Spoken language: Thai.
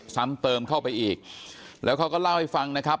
ซ้ำเติมเข้าไปอีกแล้วเขาก็เล่าให้ฟังนะครับ